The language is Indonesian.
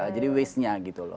jadi waste nya gitu loh